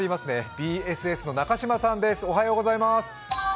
ＢＳＳの中島さんです。